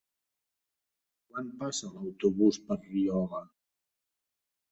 Quan passa l'autobús per Riola?